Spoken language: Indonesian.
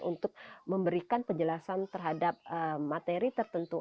untuk memberikan penjelasan terhadap materi tertentu